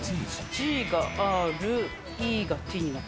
Ｇがｒ、ＥがＴになって。